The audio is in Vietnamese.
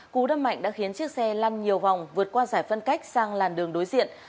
cú đâm mạnh đã khiến chiếc xe lăn nhiều vòng vượt qua giải phân cách sang làn đường đối diện